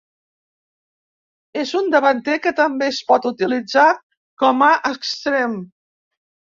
És un davanter que també es pot utilitzar com a extrem.